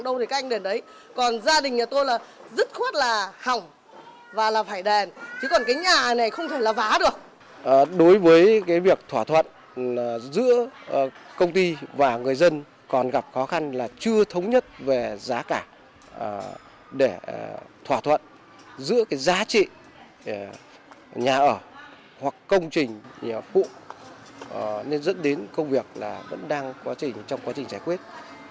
đối với việc thỏa thuận giữa công ty và người dân còn gặp khó khăn là chưa thống nhất về giá cả để thỏa thuận giữa giá trị nhà ở hoặc công trình nhà phụ nên dẫn đến công việc vẫn đang trong quá trình giải quyết